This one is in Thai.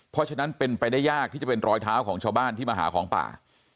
เพราะฉะนั้นเป็นไปได้ยากที่จะเป็นรอยเท้าของชาวบ้านที่มาหาของป่า